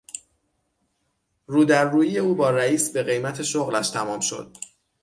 رو در رویی او با رئیس به قیمت شغلش تمام شد.